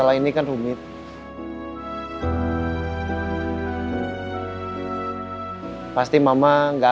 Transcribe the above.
nabiarmh istri aku